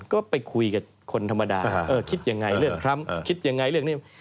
ก็ไปคุยกับคนธรรมดาคิดอย่างไรเลือกทรัมป์คิดอย่างไรเลือกนี้